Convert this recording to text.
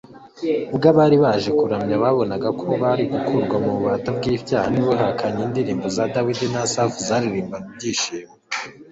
ubwo abari baje kuramya babonaga ko bari gukurwa mu bubata bw'icyaha n'ubuhakanyi, indirimbo za dawidi na asafu zaririmbanwe ibyishimo